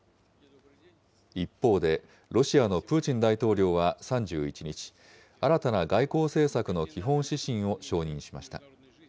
一方で、ロシアのプーチン大統領は３１日、新たな外交政策の基本指針を承認しました。